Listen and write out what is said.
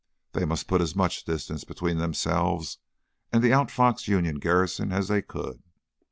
They must put as much distance between themselves and the out foxed Union garrison as they could.